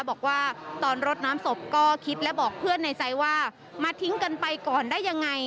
บอกว่าตอนรดน้ำศพก็คิดและบอกเพื่อนในใจว่ามาทิ้งกันไปก่อนได้ยังไง